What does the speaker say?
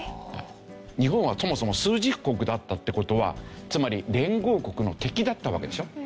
日本はそもそも枢軸国だったって事はつまり連合国の敵だったわけでしょ？